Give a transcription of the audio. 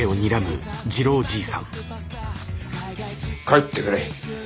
帰ってくれ。